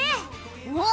お！